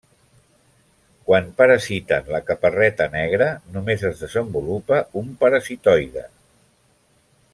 Quan parasiten la caparreta negra només es desenvolupa un parasitoide.